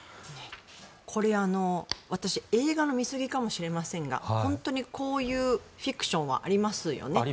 これは私映画の見過ぎかもしれませんが本当に、こういうフィクションはありますよね。